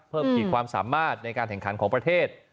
ขีดความสามารถในการแข่งขันของประเทศ